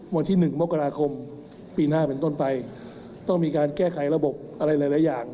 วันที่๑มกราคมปีหน้าเป็นต้นไปต้องมีการแก้ไขระบบอะไรหลายอย่าง